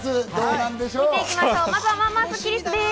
まずは、まあまあスッキりすです。